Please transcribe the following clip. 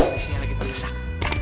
karena fungsinya lagi mergesak